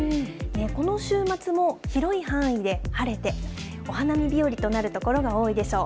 この週末も広い範囲で晴れて、お花見日和となる所が多いでしょう。